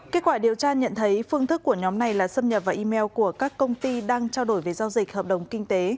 kết quả điều tra nhận thấy phương thức của nhóm này là xâm nhập vào email của các công ty đang trao đổi về giao dịch hợp đồng kinh tế